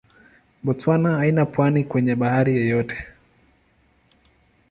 Botswana haina pwani kwenye bahari yoyote.